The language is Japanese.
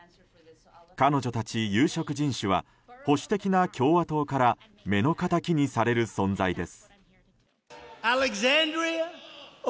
彼女たち有色人種は保守的な共和党から目の敵にされる存在です。